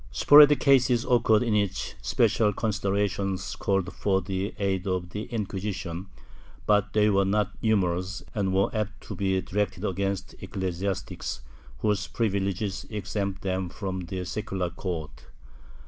Sporadic cases occurred in which special considerations called for the aid of the Inquisition, but they were not numerous and were apt to be directed against ecclesiastics, whose privilege exempted them from the secular courts.